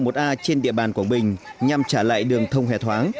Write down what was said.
trên địa bàn quảng bình nhằm trả lại đường thông hệ thoáng